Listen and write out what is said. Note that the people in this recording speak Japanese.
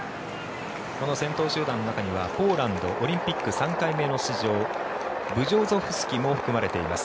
この戦闘集団の中にはポーランドオリンピック３回目の出場ブジョゾフスキも含まれています。